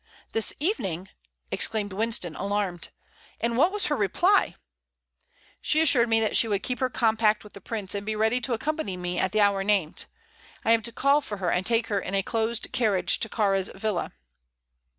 "This evening!" exclaimed Winston, alarmed. "And what was her reply?" "She assured me that she would keep her compact with the prince and be ready to accompany me at the hour named. I am to call for her and take her in a closed carriage to Kāra's villa."